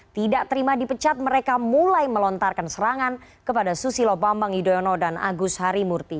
tidak terima dipecat mereka mulai melontarkan serangan kepada susilo bambang yudhoyono dan agus harimurti